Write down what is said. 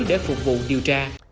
để phục vụ điều tra